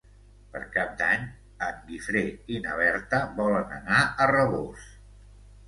Per Cap d'Any en Guifré i na Berta volen anar a Rabós.